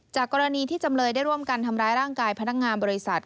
กรณีที่จำเลยได้ร่วมกันทำร้ายร่างกายพนักงานบริษัท